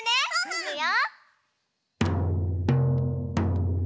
いくよ。